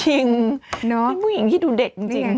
จริงเป็นผู้หญิงที่ดูเด็กจริง